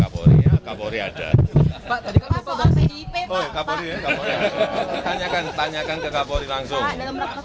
presiden jokowi mengaku tengah memanggil keduanya namun tak menjelaskan apa hasilnya